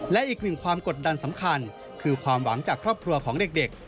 และอีกหนึ่งความกดดันสำคัญคือความหวังจากครอบครัวของเด็ก